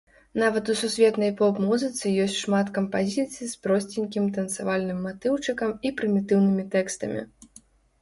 Нават у сусветнай поп-музыцы ёсць шмат кампазіцый з просценькім танцавальным матыўчыкам і прымітыўнымі тэкстамі.